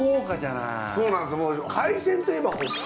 そうなんです。